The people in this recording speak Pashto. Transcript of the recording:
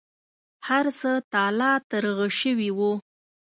هرڅه تالا ترغه شوي و.